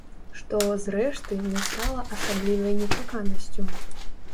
Што, зрэшты, не стала асаблівай нечаканасцю.